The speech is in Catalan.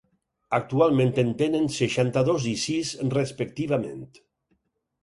Actualment en tenen seixanta-dos i sis, respectivament.